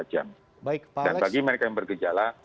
dan bagi mereka yang bergejala